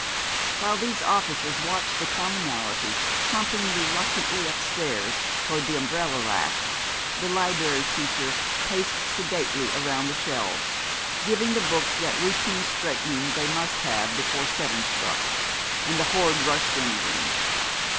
While these officers watched the commonalty clumping reluctantly upstairs toward the umbrella rack, the Liberry Teacher paced sedately around the shelves, giving the books that routine straightening they must have before seven struck and the horde rushed in again.